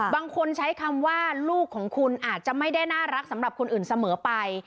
บางคนใช้คำว่าลูกของคุณอาจจะไม่ได้น่ารักสำหรับคนอื่นเสมอไป